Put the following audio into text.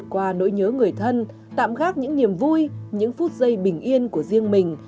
qua nỗi nhớ người thân tạm gác những niềm vui những phút giây bình yên của riêng mình